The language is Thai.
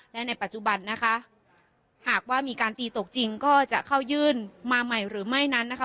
และในปัจจุบันนะคะหากว่ามีการตีตกจริงก็จะเข้ายื่นมาใหม่หรือไม่นั้นนะคะ